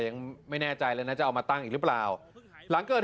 ยังไม่แน่ใจเลยนะจะเอามาตั้งอีกหรือเปล่าหลังเกิด